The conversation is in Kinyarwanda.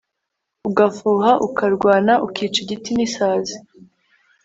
ugafuha ukarwana ukica igiti n'isazi